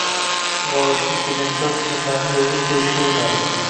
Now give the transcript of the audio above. sug‘orishning tejamkor tizimlarini yo‘lga qo‘yishga urinadi